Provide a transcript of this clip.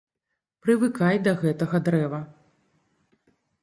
Прывыкай да гэтага дрэва.